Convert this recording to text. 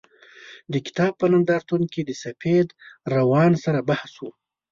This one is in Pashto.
د کتاب په نندارتون کې د سفید روان سره بحث و.